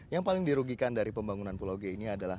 yang paling dirugikan dari pembangunan pulau g ini adalah